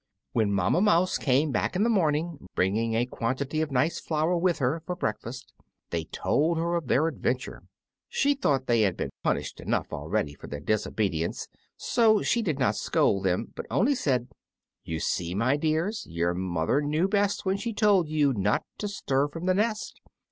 When Mamma Mouse came back in the morning, bringing a quantity of nice flour with her for breakfast, they told her of their adventure. She thought they had been punished enough already for their disobedience, so she did not scold them, but only said, "You see, my dears, your mother knew best when she told you not to stir from the nest.